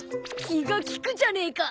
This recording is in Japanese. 気が利くじゃねえか。